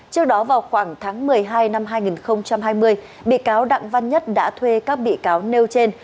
trước đó vào khoảng tháng một mươi hai năm hai nghìn hai mươi bị cáo đặng văn nhất đã thuê các bị cáo nêu trên